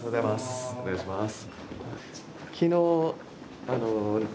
お願いします。